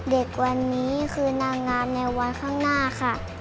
เด็กวันนี้คือนางงามในวันข้างหน้าค่ะ